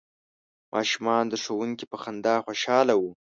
ماشومان د ښوونکي په خندا خوشحاله وو.